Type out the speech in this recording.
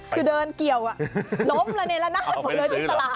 คือเดินเกี่ยวลบเลยในร้านหน้าผมเลยที่ตลาด